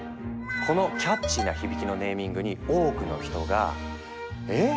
このキャッチーな響きのネーミングに多くの人が「えっ？